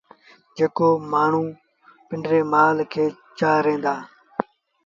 جيڪو مڻهون پنڊري مآل کي چآرين دآ